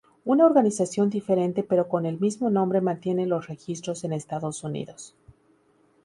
Una organización diferente pero con el mismo nombre mantiene los registros en Estados Unidos.